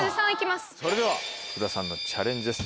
それでは福田さんのチャレンジです。